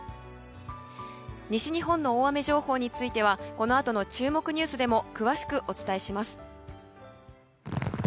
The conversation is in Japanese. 西日本の大雨情報についてはこのあとの注目ニュースでも詳しくお伝えします。